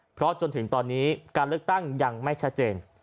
เพราะจนถึงตอนนี้การเลือกตั้งยังไม่ชัดเจน